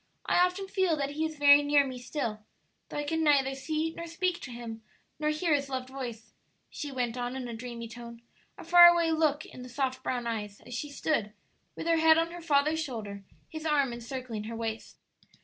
I often feel that he is very near me still, though I can neither see nor speak to him nor hear his loved voice," she went on, in a dreamy tone, a far away look in the soft brown eyes as she stood, with her head on her father's shoulder, his arm encircling her waist.